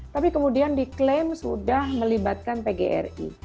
tapi kemudian diklaim sudah melibatkan pgri